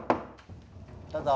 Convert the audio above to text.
どうぞ。